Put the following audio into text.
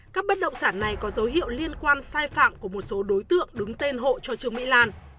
các bất động sản này có dấu hiệu liên quan sai phạm của một số đối tượng đứng tên hộ cho trương mỹ lan